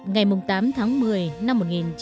ngày tám tháng một mươi năm một nghìn chín trăm bốn mươi năm